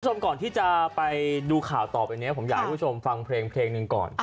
คุณผู้ชมก่อนที่จะไปดูข่าวต่อไปนี้ผมอยากให้คุณผู้ชมฟังเพลงเพลงหนึ่งก่อน